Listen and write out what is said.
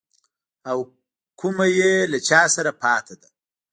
او کومه يې له چا سره پاته ده.